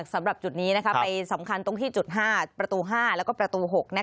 สำหรับจุดนี้ไปสำคัญตรงที่จุด๕ประตู๕แล้วก็ประตู๖